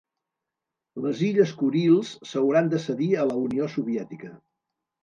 Les illes Kurils s'hauran de cedir a la Unió Soviètica.